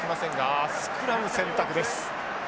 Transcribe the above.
あスクラム選択です。